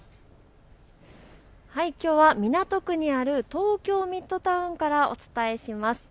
きょうは港区にある東京ミッドタウンからお伝えします。